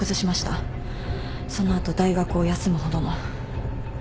その後大学を休むほどの。